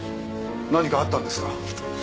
何かあったんですか？